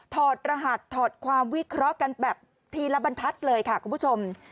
ถอดรหัสถอดความวิเคราะห์กันแบบทีละบรรทัศน์เลยค่ะคุณผู้ชม